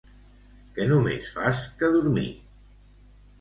Que només fas que dormir.